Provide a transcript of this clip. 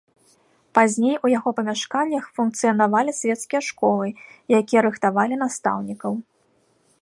Пазней у яго памяшканнях функцыянавалі свецкія школы, якія рыхтавалі настаўнікаў.